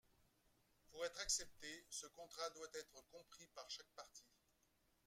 Pour être accepté, ce contrat doit être compris par chaque partie.